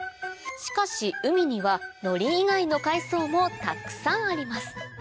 しかし海にはのり以外の海藻もたくさんあります